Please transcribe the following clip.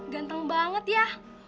ganteng banget ya